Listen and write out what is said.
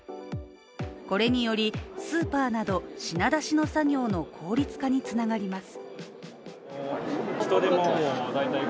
これによりスーパーなど品出しの作業の効率化につながります。